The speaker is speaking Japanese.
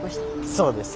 そうです。